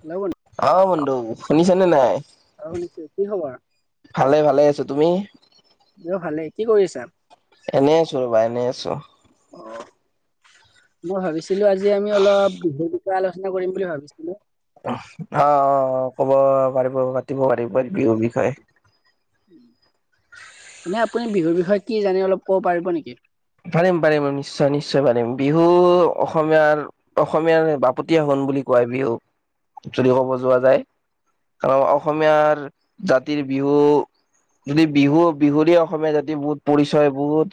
Hello বন্ধু অ', বন্ধু শুনিছেনে নাই? অ', শুনিছো কি খবৰ? ভালে ভালে আছো তুমি য় ভালেই, কি কৰিছা? এনেই আছোঁ ৰ'বা, এনেই আছোঁ। অ', মই ভাবিছিলো আজি আমি অলপ বিহ বিষয়ে আলোচনা কৰিম বুলি ভাবিছিলো। অ', অ', ক'ব পাৰিব পাতিব পাৰিব বিহুৰ বিষয়ে। এনেই আপুনি বিহুৰ বিষয়ে কি জানে অলপ ক'ব পাৰিব নেকি? পাৰিম পাৰিম নিশ্চয় নিশ্চয় পাৰিম বিহু অসমীয়াৰ অসমীয়াৰ বাপতি আহোন বুলি কয় বিহুক যদি ক'ব যোৱা যায় কাৰ অসমীয়াৰ জাতিৰ বিহু। যদি বিহু বিহুৰে অসমীয়া জাতি বহুত পৰিচয় বহুত।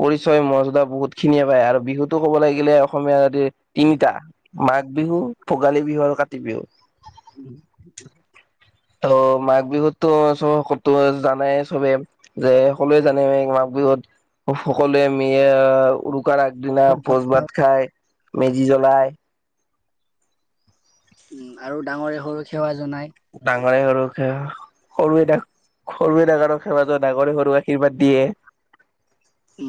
পৰিচয় মৰদা বহুত খিনিয়ে পায় আৰু বিহুতো ক'ব লাগিলে অসমীয়া জতি তিনিটা মাঘ। বিহু ভোগালী বিহু আৰু কাতি বিহু। উম ত মাঘ বিহুতো তো সো জানাই চবে যে সকলোৱে জানে মাঘ। বিহুত সকলোৱে আমি। কাৰ আগদিনা পোচ ভাত খায়, মেজি জ্বলাই। উ আৰু ডাঙৰে সৰুক সেৱা জনাই। । [unintelligible] খৰু নাগাৰক সেৱাজনাগৰি সৰু আৰ্শীৰ্বাদ দিয়ে। এ।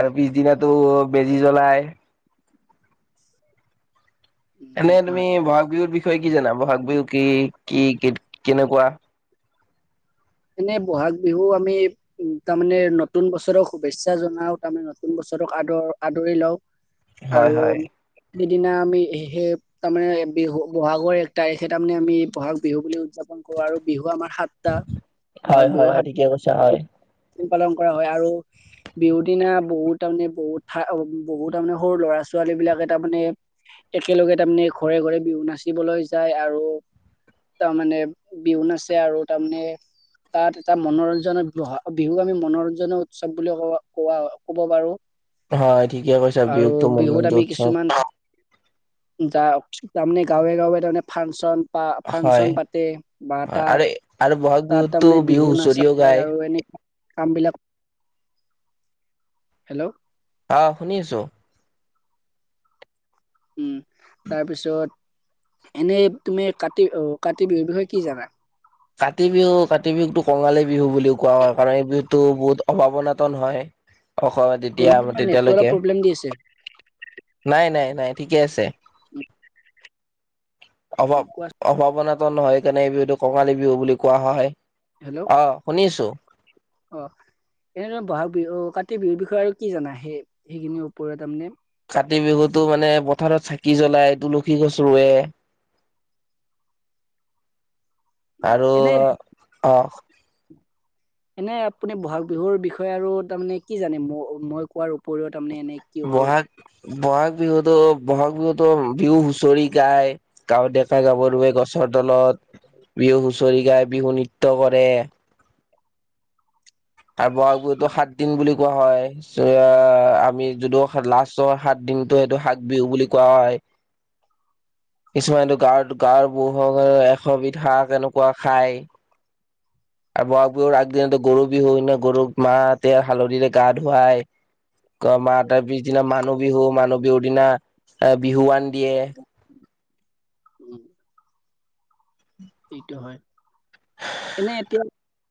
আৰু পিছদিনাতো বেজি জ্বলাই। উম এনে সেইটো তুমি হয় বহাগ বিহুৰ বিষয়ে কি জানা বহাগ বিহু কি কি কেনেকুৱা? এনে ব'হাগ বিহু আমি উম তাৰমানে নতুন বছৰৰ শুভেচ্ছা জনাও তাৰমানে নতুন বছৰ। ওচছতোক আদৰ আদৰি লওঁ। হয় আৰু হয়। সিদিনা আমি সেই তাৰমানে বিহু বহাগৰ এক তাৰিখে তাৰমানে আমি বহাগ বিহু বুলি। উদযাপন কৰো আৰু বিহু আমাৰ সাতটা। বহাগ হয়, বিহু হয়, হয়, সাত ঠিকে কৈছে হয়। [unintelligible] পালন কৰা হয় আৰু, বিহু দিনা বহুত তাৰমানে বহুত ঠা বহুত, তাৰমানে সৰু ল'ৰা ছোৱালী বিলাকে তাৰমানে, একেলগে তাৰমানে ঘৰে ঘৰে বিহু নাচিবলৈ যায় আৰু তাৰমানে বিহু নাছে আৰু, তাৰমানে তাত এটা মনোৰঞ্জনৰ বি বিহুক আমি মনোৰঞ্জনৰ উৎসৱ বুলি কব কোৱা কব পাৰো। হয় ঠিকে কৈছা আৰু বিহুতো বিহুত মনোৰঞ্জন আমি উৎসৱ কিছুমান। যাক তাৰমানে গাঁৱে গাঁৱে তাৰমানে ফাংচন। হয় ফাংচন পাতে বা হয় তাত আৰু আৰু বহাগ তাত। বিহুততো তাৰমানে বিহু নাচা হুঁচৰিও হয় গায় আৰু এনে। কাম বিলাক হেল্ল'। অহ শুনি আছোঁ। উম তাৰ পিছত। এনেই তুমি কাতি আহ কাতি বিহুৰ বিষয়ে কি জানা? কাতি বিহু কাতি বিহুকটো কঙালী বিহু বুলিও কোৱা হয়। কাৰণ এই বিহুটো বহুত অভাৱনাতন হয়। অসমত এতিয়া বন্ধু তোমাৰ নেটটো অলপ তেতিয়ালৈকে প্ৰব্লেম দি আছে, নাই নাই নাই ঠিকে আছে। উম অভাৱ কোৱা অভাৱনাত নহয়, সেইকাৰণে এই বিহুটো কঙালী বিহু বুলি কোৱা হয়। হেল্ল' অ শুনিছোঁ। অ এনেদ বহাগ বিহু আহ কাতি বিহুৰ বিষয়ে আৰু কি জানা? সেই সেইখিনিৰ ওপৰত তাৰমানে। কাতি বিহুতো মানে পথাৰত চাকি জ্বলাই তুলসী গছ ৰুৱে। আৰু এনে আহ। এনে আপুনি বহাগ বিহুৰ বিষয়ে আৰু তাৰমানে কি জানে? ম মই কোৱাৰ উপওৰিৰত। বহাগ, বহাগ। বহাগ বিহুতো ব'হাগ বিহুতো বিহু হুঁচৰি গায়, গাৱ ডেকা গাভৰুৱে গছৰ তলত। বিহু হোচৰি গাই, বিহু নৃত্য কৰে। আৰু বহাগ বিহুতো সাত দিন বুলি কোৱা হয়। আমি যদিও লাষ্টৰ সাত দিনতো সেইটো সাগ বিহু বুলি কোৱা হয়। কিছুমানটো গাঁ গাঁৱ ব এশবিধ হাঁহ এনেকুৱা খায়। [unintelligible] আৰু বহাগ বিহুৰ আগদিনতো গৰু বিহু ন গৰুক মাহতে হালধিৰে গা ধুৱায়। ক মা তাৰ পিছদিনা মানুহ বিহু মানুহ বিহুৰ দিনা এ বিহুৱান দিয়ে। উম। এইটো হয়, এনেই এতিয়া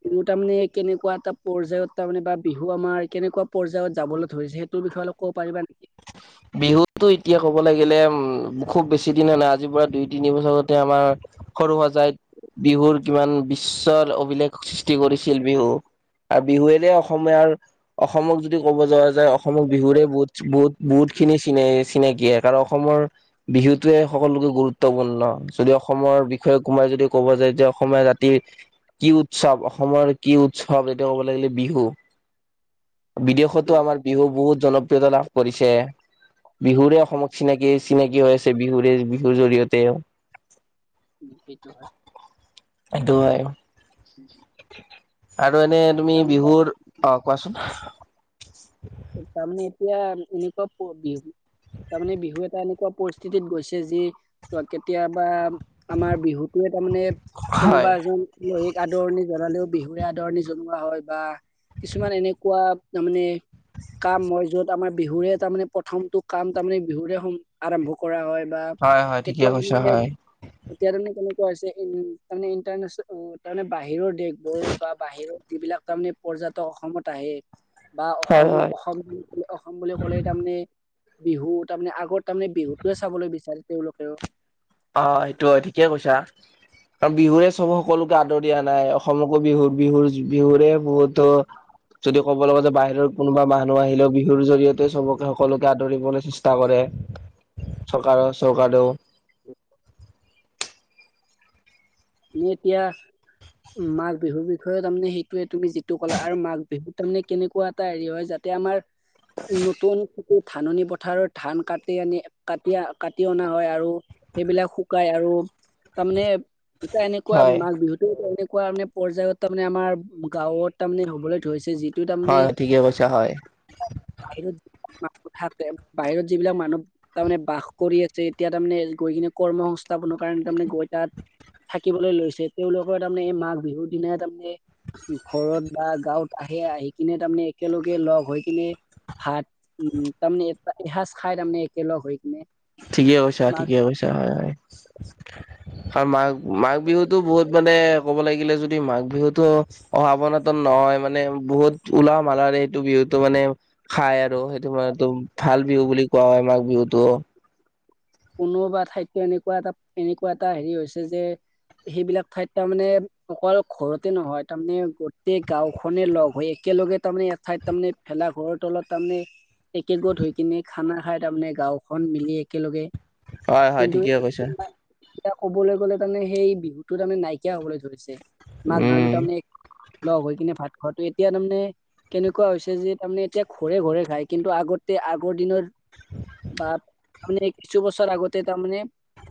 [unintelligible] তাৰমানে কেনেকুৱা এটা পৰ্যায়ত তাৰমানে বা বিহু আমাৰ কেনেকুৱা পৰ্যায়ত যাবলৈ ধৰিছে সেইটো বিষয়ে অলপ কব পাৰিবানি? [inaudible] বিহুতো এতিয়া ক'ব লাগিলে, উম, খুব বেছি দিন নাই আজিৰ পৰা দুই তিনি বছৰতে আমাৰ সৰু সজাইত বিহুৰ কিমান বিশ্বৰ অভিলেখ সৃষ্টি কৰিছিল বিহু। আৰু বিহুৱেৰে অসমীয়াৰ, অসমক যদি ক'ব যোৱা যায় অসমক বিহুৰে বহুত-বহুত বহুত খিনি চিনে চিনাকিয় কাৰ অসমৰ বিহুতোৱে সকলোকে গুৰুত্বপূৰ্ণ যদি অসমৰ বিষয়ে সোমাই যদি ক'ব যায় যে অসমীয়া জাতিৰ কি উৎসৱ? অসমৰ কি উৎসৱ এটো ক'ব লাগিলে বিহু। সেইটো বিদেশতো হয়, আমাৰ বিহু বহুত জনপ্ৰিয়তা লাভ কৰিছে। বিহুৰে অসমত চিনাকি চিনাকি হৈ আছে বিহুৰে বিহুৰ জৰিয়তে। উম, সেইটো হয়। সেইটোৱে। আৰু এনে তুমি তাৰমানে বিহুৰ অ', কোৱাচোন। তাৰমানে এতিয়া এনেকুৱা [unintelligible] তাৰমানে বিহু এটা এনেকুৱা পৰিস্থিতিত গৈছে যি কেতিয়াবা আমাৰ বিহুটোৱে তাৰমানে কোনোবা হয় এজন আলহীক আদৰণি জনালেও বিহুৰে আদৰণি জনোৱা হয় বা কিছুমান এনেকুৱা তাৰ মানে কাম মই য'ত আমাৰ বিহুৰে তাৰমানে প্ৰথমটো কাম তাৰমানে বিহুৰে আৰম্ভ কৰা হয়। বা হয় হয় ঠিকে এতিয়া কৈছা হয় এতিয়া তেনে কেনেকে এনেকুৱা হৈছে, তাৰমানে ইণ্টাৰনেচনেল তাৰমানে বাহিৰৰ দেশবোৰ বা বাহিৰৰ যিবিলাক তাৰমানে পৰ্যাটক অসমত আহে বা হয় অসমত হয় অসম অসম বুলি ক'লে তাৰমানে বিহু তাৰমানে আগত তাৰমানে বিহুটোৱে চাবলৈ বিচাৰে তেওঁলোকেও। অ', সেইটো হয়, ঠিকেই কৈছা। বিহুৰে চ'ব সকলোকে আদৰিয়াই অনাই অসমকো বিহু বিহু যি বিহুৰে বহুতো যদি ক'ব লগা যে বাহিৰৰ কোনোবা মানুহ আহিলেও বিহুৰ জৰিয়তে চবকে সকলোকে আদৰিবলৈ চেষ্টা কৰে। চৰকাৰৰ চৰকাৰেও। নি এতিয়া উম, মাঘ বিহুৰ বিষয়ে তাৰমানে সেইটোৱে তুমি যিটো ক'লা আৰু মাঘ বিহুত তাৰমানে কেনেকুৱা এটা হেৰি হয় যা তে আমাৰ নতুন কতো ধাননি পথাৰত ধান কাটি আনি কাটিয়া কাটি অনা হয় আৰু সেইবিলাক শুকাই আৰু তাৰমানে এটা এনেকুৱা হয় মাঘ বিহুতো এনে কুৱা মানে পৰ্যায়ত তাৰমানে আমাৰ গাঁৱত তাৰমানে হ'বলৈ ধৰিছে যি টো তাৰমানে হয় ঠিকে কৈছা হয় সেইটো হাতে বাহিৰত যিবিলাক মানুহ তাৰমানে বাস কৰি আছে এতিয়া তাৰমানে গৈ কিনে কৰ্ম সংস্থাপনত কাৰণ তাৰমানে গৈ তাত থাকিবলৈ লৈছে, তেওঁলোকৰ তাৰমানে এই মাঘ বিহুৰ দিনাই তাৰমানে ঘৰত বা গাঁৱত আহে, আহি কিনে তাৰমানে একেলগে লগ হৈ কিনে ভাত উম, তাৰমানে এ [unintelligible] খাই তাৰমানে একেলগ হয়। ঠিকে কৈছা -ঠিকে কৈছা হয়-হয় আৰু মাক মাঘ বিহুতো বহুত মানে ক'ব লাগিলে যদ দি মাঘ বিহুটো আৱনতন নহয় মানে বহুত উলহ মালহেৰে এইটো বিহুটো মানে খাই আৰু সেইটো মানটো ভাল বিহু বুলি কোৱা হয়, মাঘ বিহুতো কোনোবা ঠাইততো এনেকুৱা এটা- এনেকুৱা এটা হেৰি হৈছে যে সেইবিলাক ঠাইত তাৰমানে অকল ঘৰতে নহয়, তাৰমানে গোটেই গাওঁখনে লগ হৈ একেলগে তাৰমানে এঠাইত তাৰমানে, ভেলা ঘৰৰ তলত তাৰমানে একেগোত হৈ কিনে খানা খাই তাৰমানে, গাঁওখন মিলি একেলগে। হয় হয় ঠিকেই কৈছা কিন্তু এতিয়া ক'বলৈ গ'লে তাৰমানে সেই বিহুতো তাৰমানে নাইকিয়া হবলৈ ধৰিছে মাঘ বিহু উম তাৰমানে লগ হৈ কিনে ভাত খোৱাটো এতিয়া তাৰমানে কেনেকুৱা হৈছে যে তাৰমানে এতিয়া ঘৰে ঘৰে খায় কিন্তু আগতে আগৰ দিনৰ বা তাৰমানে কিছু বছৰ আগতে তাৰমানে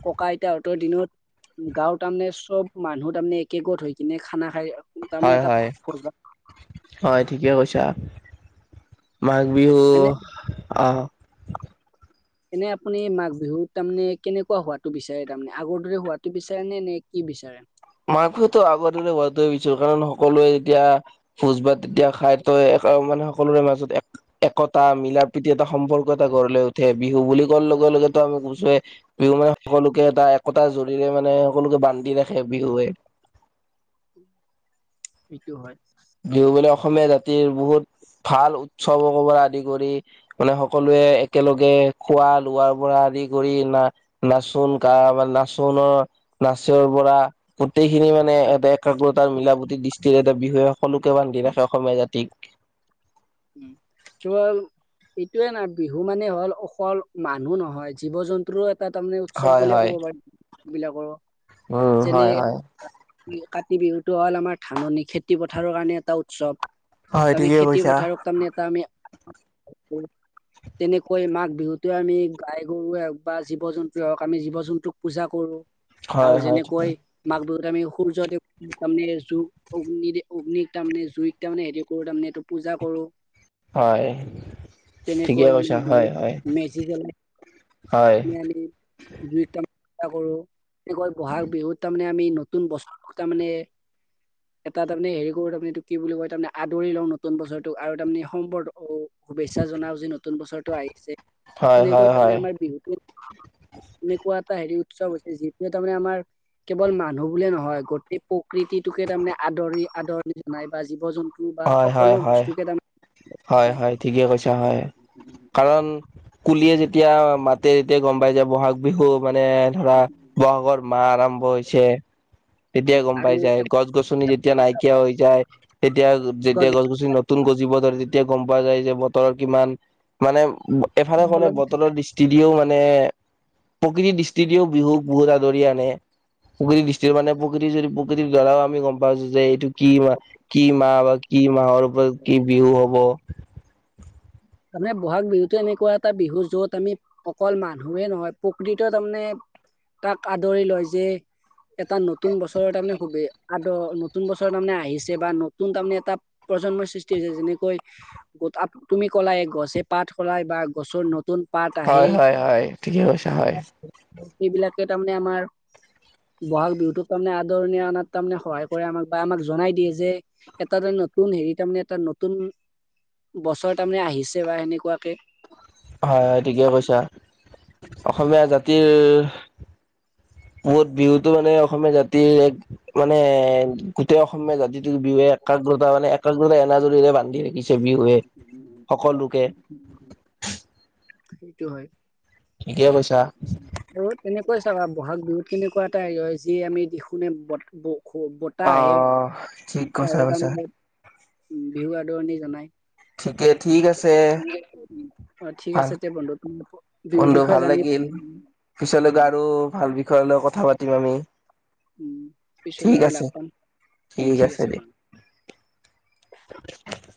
ককা আইতাহঁতৰ দিনত গাঁৱত তাৰমানে চব মানুহ তাৰমানে একেগত হৈ কিনে খানা খাই তাৰমানে হয় এটা হয় ভোজ ভাত হয় ঠিকে কৈছা মাঘ বিহু এনে আহ এনে আপুনি এই মাঘ বিহুত তামানে কেনেকুৱা হোৱাটো বিচাৰে তাৰমানে আগৰ দৰে হোৱাটো বিচাৰে নে নে কি বিচাৰে? মাঘ বিহুতো আগৰ দৰে হোৱাটোৱে বিচাৰো। কাৰণ সকলোৱে যেতিয়া ভোজ ভাত তেতিয়া খাই তই গাঁও মানে সকলোৰে মাজত এক একতা মিলাৰ প্ৰীতি এটা সম্পৰ্ক এটা গঢ় উঠে বিহু বুলি কোৱাৰ লগ ত লগতে আমি কোছোৱে বিহু মানে সকলোকে এটা একতাজৰিৰে মানে সকলোকে বান্ধি ৰাখে। বিহুৱে ইটো হয়। বিহু বোলে অসমীয়া জাতিৰ বহুত ভাল উৎসৱ পৰা আদি কৰি মানে সকলোৱে একেলগে খোৱা লোৱাৰ পৰা আদি কৰি না নাচোন কা নাচোনৰ নাচৰ পৰা গোট টেইখিনি মানে এটা একাগ্ৰতাৰ মিলাপুতি দৃষ্টিৰে এটা বিহুয়েক সকলোকে বান্ধি ৰাখে অসমীয়া জাতিক। উম কেৱল এইটোয়ে নাই বিহু মানে হ'ল অকল মানুহ নহয় জীৱ জন্তুৰো তা তামানে উৎসৱ বুলিয়ে ক'ব পাৰি বিলাকৰ অও যেনে হয় হয়। কাতি বিহুটো হ'ল আমাৰ ধাননি খেতি পথাৰৰ কাৰণে এটা উৎসৱ। হয় ঠিকে কৈছা। আমিয়ে [unintelligible] তেনেকৈ মাঘ বিহুতে আমি গাই গৰুৱে হও বা জীৱ জন্তুৱে হওক আমি জীৱ জন্তুক পূজা কৰো। আৰু হয় হয় যেনেকৈ হয় মাঘ বিহুত আমি সূৰ্য দেৱ তাৰে জুই অগ্নি অগ্নিক তাৰমানে জুইক তাৰমানে হে কৰো তাৰে এইটো পূজ জা কৰো। ঠিকে তেনেকৈ কৈছা হয় হয় মেজি জ্বলাই হয় সেইখিনি আমি জুইত তাৰ [unintelligible] কৰো এনেকৈ বহাগ বিহুত তাৰমানে আমি ন নতুন বছৰটো তাৰমানে এটা তাৰমানে হেৰি কৰো তাৰমানে এইটো কি বুলি কয় তাৰমানে আদৰি লওঁ নতুন বছৰটোক আৰু তাৰমানে সম্পৰ্ক শুভেচ্ছা জনাও যে ন নতুন বছৰটো আহিছে, হয় হয় তেনেকৈ তাৰমানে হয় আমাৰ বিহুটো [inaudible] এনেকুৱা এটা হেৰি উৎসৱ হৈছে যিটোৱে তাৰমানে আমাৰ কেৱল মানুহ বুলিয়ে নহয় গোটেই প্ৰকৃতিটোকে তাৰমানে আদৰি আদৰণি জনাই বা জীৱ জন্তু বা হয় হয় সকলো হয় হয় বস্তুকে তাৰমান হয় হয় ঠিকে কৈছা হয়, কাৰণ কুলি য়ে যেতিয়া মাতে তেতিয়া গম পাই যে বহাগ বিহু মানে ধৰা বহাগৰ মাহ আৰম্ভ হৈছে। তেতিয়া গম আৰু পাই যায়, এটা গছ গছনি যেতিয়া গছ নাইকিয়া হৈ যায় তে এয়া যেতিয়া গছ গছনি নতুন গজিব ধৰে তেতিয়া গম পোৱা যায় যে বতৰৰ কিমান মানে এফালে কলে গছনি বতৰৰ দৃষ্টি দিও মানে মানে প্ৰকৃতিৰ দৃষ্টি দিও বিহুক বহুত আদৰি আনে। প্ৰকৃতিৰ দৃষ্টিৰ মানে প্ৰকৃতিৰ যদি প্ৰকৃতিৰ দ্বাৰাও আমি গম পাইছো যে এইটো কি মাহ কি মাহ বা কি মাহৰ ওপৰত কি বিহু হ'ব। মানে ব'হাগ বিহুতোৱে এনেকুৱা এটা বিহু যত আমি অকল মানুহে নহয় প্ৰকৃত তাৰমানে তাক আদৰি লয় যে এটা নতুন বছৰৰ তাৰমানে খুবেই আদ নতুন বছৰৰ তাৰমানে আহিছে বা নতুন তাৰমানে এটা প্ৰজন্মৰ সৃষ্টি হৈছে। যেনেকৈ গ-আ-তুমি ক'লাই গছে পাত খলাই বা গছৰ নতুন পাত আহে হয় হয় হয় ঠিকেই কৈছা হয় এইবিলাকে তাৰমানে আমাৰ বহাগ বিহুতোক তাৰমানে আদৰণি অনাত তাৰমানে সহায় কৰে আমাক বা আমাক জনাই দিয়ে যে এটা নতুন হেৰি তাৰমানে এটা নতুন বছৰ তাৰমানে আহিছে বা সেনেকুৱাকে হয়, হয়, ঠিকে কৈছা। অসমীয়া জাতিৰ বহত বিহুতটো মানে অসমীয়া জাতিৰ এক মানে গোটেই অসমীয়া জাতিটো বিহুে এক একাগ্ৰতা মানে একাগ্ৰতা এনাজৰীৰে বান্ধি ৰাখিছে বিহুৱে সকলোোকে। সেইটো হয়। ঠিকে কৈছ আৰু তেনেকৈয়েই চাবা ব'হাগ বিহুত কেনেকুৱা এটা হেই হয়। যি আমি দেখোনে ব-ব খু বতাহ আহে অহ ঠিক কথা কৈছা [unintelligible] বিহু আদৰণি জনায় ঠিকে ঠিক আছে [unintelligible] অ', ঠিক আছে দে বন্ধু। তোম-বিহুৰ বিষয়ে ল জান পিছলৈকে আৰু ভাল বিষয় লৈ কথা পাতিম আমি উম ঠিক পিছলৈ আৰু আছে লাগ পাম উও ঠিক আছে ভনি [unintelligible]